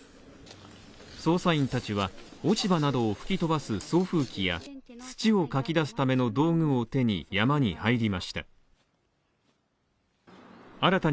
捜査員たちは、落ち葉などを吹き飛ばす送風機や土をかき出すための道具を手に、山に入りました。